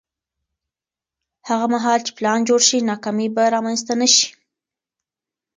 هغه مهال چې پلان جوړ شي، ناکامي به رامنځته نه شي.